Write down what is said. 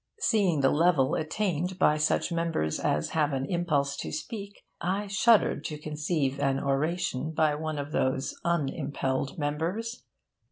Seeing the level attained by such members as have an impulse to speak, I shudder to conceive an oration by one of those unimpelled members...